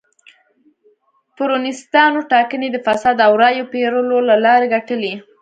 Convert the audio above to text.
پېرونیستانو ټاکنې د فساد او رایو پېرلو له لارې ګټلې.